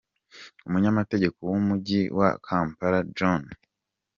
Umunyamategeko w’umujyi wa Kampala, John W.